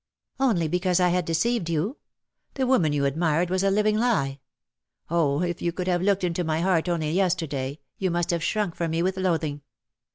" Only because I had deceived you. The woman you admired was a living lie. Oh, if you could have looked into my heart only yesterday, you must have shrunk from me with loathing.